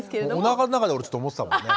おなかの中で俺思ってたもんね。